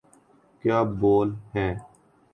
کیا بول ہیں۔